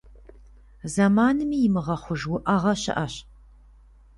Зэманми имыгъэхъуж уӏэгъэ щыӏэщ.